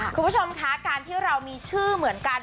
คุณผู้ชมคะการที่เรามีชื่อเหมือนกัน